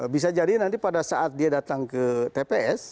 bisa jadi nanti pada saat dia datang ke tps